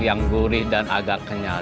yang gurih dan agak kenyal